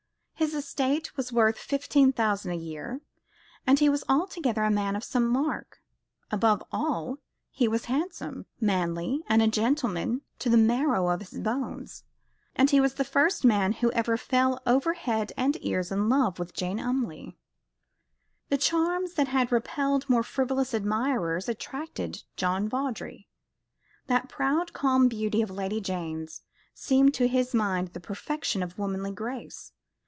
His estate was worth fifteen thousand a year, and he was altogether a man of some mark. Above all, he was handsome, manly, and a gentleman to the marrow of his bones, and he was the first man who ever fell over head and ears in love with Jane Umleigh. The charms that had repelled more frivolous admirers attracted John Vawdrey. That proud calm beauty of Lady Jane's seemed to his mind the perfection of womanly grace.